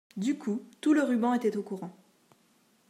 Du coup tout le ruban était au courant.